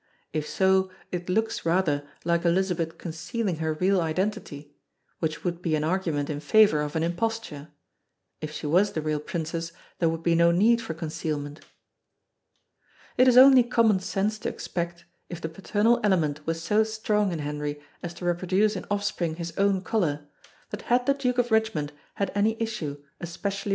If so it looks rather like Elizabeth concealing her real identity which would be an argument in favour of an imposture; if she was the real princess there would be no need for concealment. It is only common sense to expect, if the paternal element was so strong in Henry as to reproduce in offspring his own colour, that had the Duke of Richmond had any issue especially by a fair wife it too would have inherited something of the family colour.